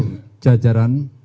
itu semangat inti yang